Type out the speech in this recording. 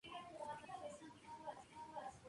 Juan J. J. Kyle".